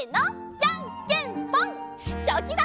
じゃんけんぽん！